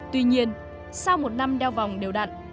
tuy nhiên sau một năm đeo vòng đều đặn